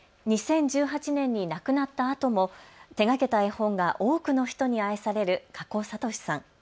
２０１８年に亡くなったあとも手がけた絵本が多くの人に愛されるかこさとしさん。